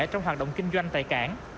trong hoạt động kinh doanh tại cảng